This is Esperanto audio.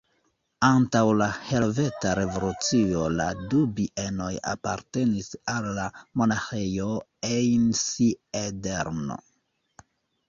Antaŭ la Helveta Revolucio la du bienoj apartenis al la Monaĥejo Einsiedeln.